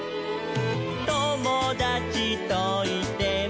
「ともだちといても」